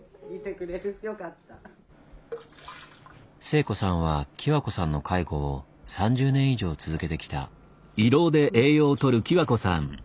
聖子さんは希和子さんの介護を３０年以上続けてきた。